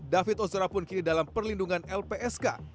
david ozora pun kini dalam perlindungan lpsk